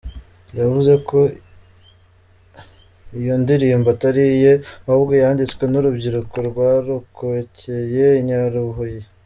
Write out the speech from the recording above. Yavuze ko iyo ndirimbo atari iye ahubwo yanditswe n’urubyiruko rwarokokeye i Nyarubuye.